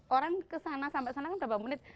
orang kesana sampai sana kan berapa menit